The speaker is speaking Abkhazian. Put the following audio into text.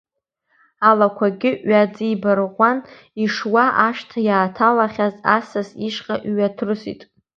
Алақәагьы ҩаҵибарҟьан ишуа ашҭа иааҭалахьаз асас ишҟа иҩаҭрысит.